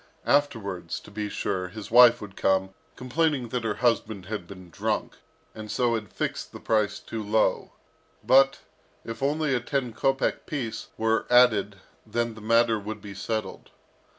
Afterwards, to be sure, his wife would come, complaining that her husband had been drunk, and so had fixed the price too low; but, if only a ten kopek piece were added then the matter would be settled.